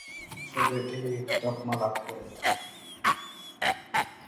ছবিটি হিট তকমা লাভ করে।